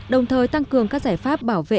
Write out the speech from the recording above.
đồng thời tăng cường các giải pháp bảo vệ